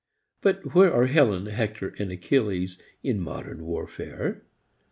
But where are Helen, Hector and Achilles in modern warfare?